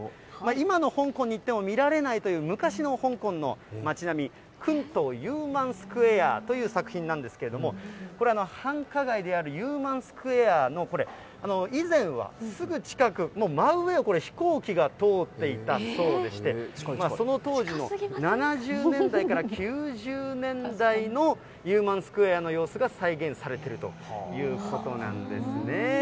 今の香港に行っても見られないという昔の香港の町並み、クントンユーマンスクエアという作品なんですけれども、これ、繁華街であるユーマンスクエアの、以前はすぐ近く、真上を飛行機が通っていたそうでして、その当時の７０年代から９０年代のユーマンスクエアの様子が再現されているということなんですね。